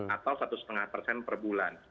atau satu lima persen per bulan